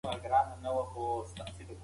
انا خپل عبادت په پوره تمرکز سره پیل کړ.